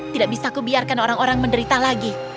tidak bisa kubiarkan orang orang menderita lagi